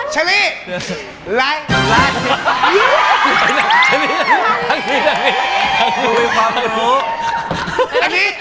ฉี่ลี่